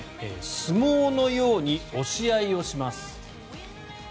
相撲のように押し合いをします。